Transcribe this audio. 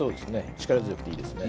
力強くていいですね。